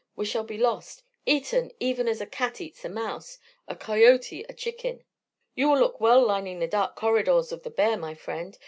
We shall be lost eaten even as a cat eats a mouse, a coyote a chicken." "You will look well lining the dark corridors of the bear, my friend.